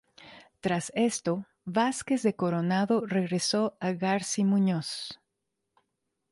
Tras esto, Vázquez de Coronado regresó a Garcimuñoz.